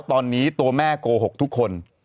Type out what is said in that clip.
ตอนนี้ตัวแม่โกหกทุกคน